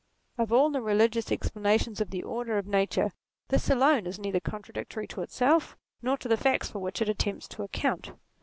Of all the religious ex planations of the order of nature, this alone is neither contradictory to itself, nor to the facts for which it attempts to account.